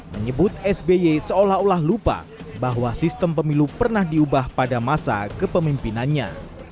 menyebut sby seolah olah lupa bahwa sistem pemilu pernah diubah pada masa kepemimpinannya